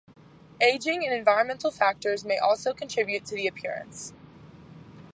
Aging and environmental factors may also contribute to the appearance.